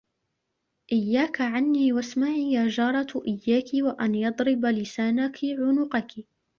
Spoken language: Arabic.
إياك عني واسمعي يا جارة إياك وأن يضرب لسانك عنقك